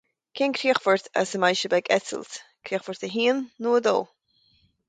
Cén críochfort as a mbeidh sibh ag eitilt? Críochfort a haon nó a dó?